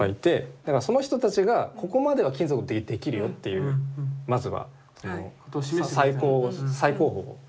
その人たちが「ここまでは金属でできるよ」っていうまずは最高峰を。